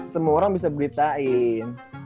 semua orang bisa beritain